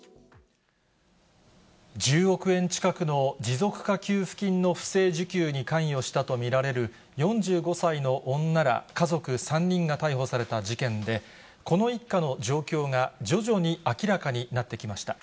１０億円近くの持続化給付金の不正受給に関与したと見られる、４５歳の女ら、家族３人が逮捕された事件で、この一家の状況が徐々に明らかになってきました。